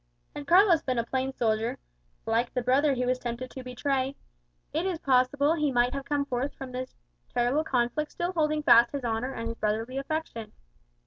Had Carlos been a plain soldier, like the brother he was tempted to betray, it is possible he might have come forth from this terrible conflict still holding fast his honour and his brotherly affection.